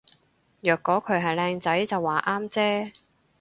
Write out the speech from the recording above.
若果佢係靚仔就話啱啫